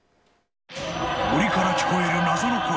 森から聞こえる謎の声。